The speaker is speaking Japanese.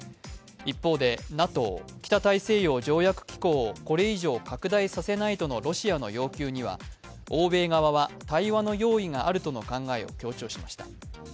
一方でＮＡＴＯ＝北大西洋条約機構をこれ以上拡大させないとのロシアの要求には欧米側は対話の用意があるとの考えを強調しました。